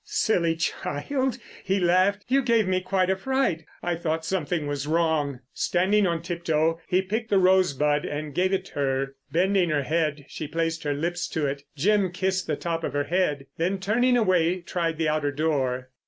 "Silly child," he laughed. "You gave me quite a fright. I thought something was wrong." Standing on tip toe, he picked the rosebud and gave it her. Bending her head she placed her lips to it. Jim kissed the top of her head, then, turning away, tried the outer door.